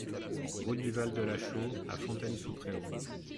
Route du Val de la Chaux à Fontaine-sous-Préaux